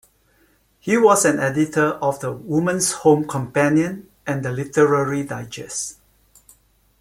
He was an editor of the "Woman's Home Companion" and the "Literary Digest".